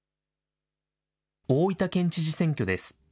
大分県知事選挙です。